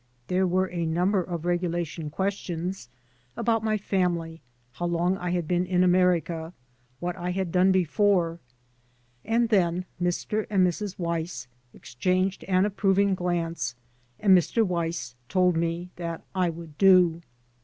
There were a number of regulation questions — ^about my family, how long I had been in America, what I had done before — ^and then Mr. and Mrs. Weiss exchanged an approving glance, and Mr. Weiss told me that I would do.